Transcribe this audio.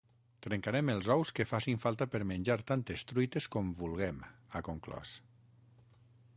Trencarem els ous que facin falta per menjar tantes truites com vulguem, ha conclòs.